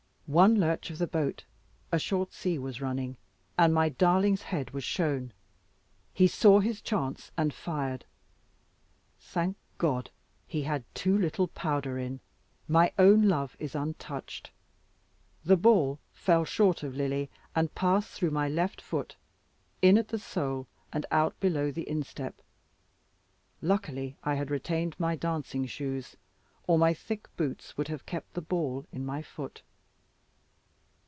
One lurch of the boat a short sea was running and my darling's head was shown. He saw his chance and fired. Thank God, he had too little powder in; my own love is untouched. The ball fell short of Lily, and passed through my left foot, in at the sole and out below the instep. Luckily I had retained my dancing shoes, or my thick boots would have kept the ball in my foot.